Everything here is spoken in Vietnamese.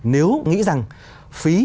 nếu nghĩ rằng phí